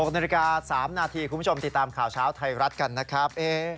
๖นาฬิกา๓นาทีคุณผู้ชมติดตามข่าวเช้าไทยรัฐกันนะครับ